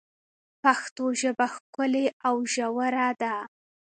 پښتو ژبه ښکلي او ژوره ده.